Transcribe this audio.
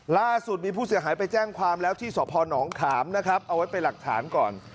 ล่าสุดมีผู้เสียหายไปแจ้งความแล้วที่สพนขามนะครับเอาไว้เป็นหลักฐานก่อน